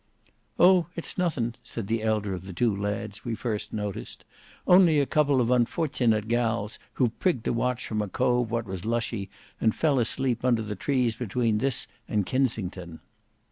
"Oh! it's nothin'," said the elder of the two lads we first noticed, "only a couple of unfortinate gals who've prigged a watch from a cove what was lushy and fell asleep under the trees between this and Kinsington."